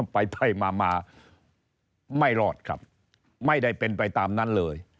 ไปไปมาไม่รอดครับไม่ได้เป็นไปตามนั้นเลย